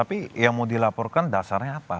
tapi yang mau dilaporkan dasarnya apa